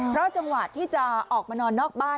เพราะจังหวะที่จะออกมานอนนอกบ้าน